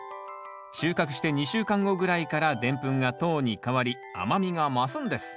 収穫して２週間後ぐらいからでんぷんが糖に変わり甘みが増すんです。